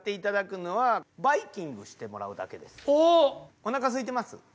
おなかすいてます？